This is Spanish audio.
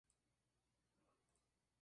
Su emblema, sin embargo, es el Pegaso.